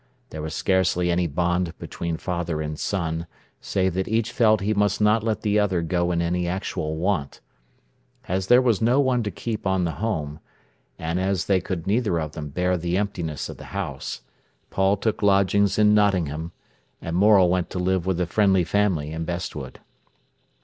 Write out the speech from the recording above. There was scarcely any bond between father and son, save that each felt he must not let the other go in any actual want. As there was no one to keep on the home, and as they could neither of them bear the emptiness of the house, Paul took lodgings in Nottingham, and Morel went to live with a friendly family in Bestwood.